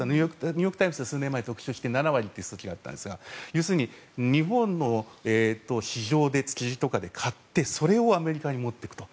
ニューヨーク・タイムズが前に特集して７割という数字があったんですが要するに日本の市場築地とかで買ってそれをアメリカへ持っていくと。